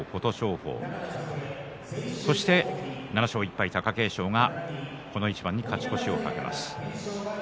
そして７勝１敗は貴景勝この一番に勝ち越しを懸けます。